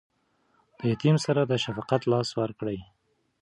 د یتیم سر ته د شفقت لاس ورکړئ.